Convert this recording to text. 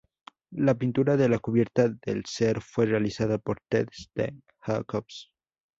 La pintura de la cubierta del ser fue realizada por Ted Seth Jacobs.